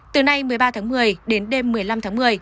từ nay một mươi ba tháng một mươi đến đêm một mươi năm tháng một mươi